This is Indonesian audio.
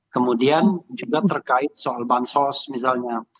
kemudian juga terkait soal bansos misalnya